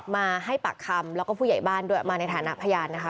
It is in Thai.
มาให้ปากคำแล้วก็ผู้ใหญ่บ้านด้วยมาในฐานะพยานนะคะ